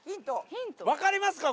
分かりますか？